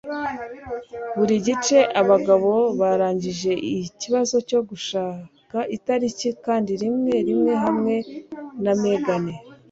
Buri gice, abagabo barangije ikibazo cyo gushaka itariki kandi rimwe-rimwe-hamwe na Megan.